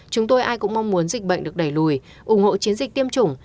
chúng tôi ai cũng mong muốn dịch bệnh được đẩy lùi ủng hộ chiến dịch tiêm chủng